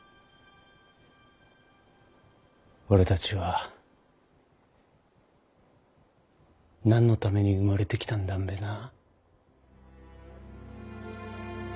俺たちは何のために生まれてきたんだんべなぁ？